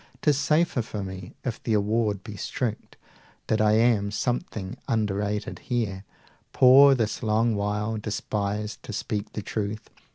'Tis safer for me, if the award be strict, That I am something underrated here, Poor this long while, despised, to speak the truth.